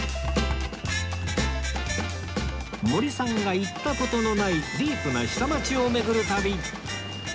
森さんが行った事のないディープな下町を巡る旅